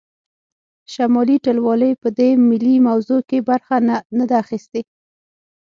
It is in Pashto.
شمالي ټلوالې په دې ملي موضوع کې برخه نه ده اخیستې